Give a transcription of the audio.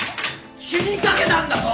死にかけたんだぞ！